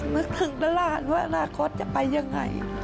มึกถึงตลาดว่าลาคอร์ตจะไปอย่างไร